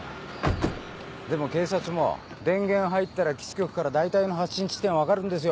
でも警察も電源入ったら基地局から大体の発信地点は分かるんですよ。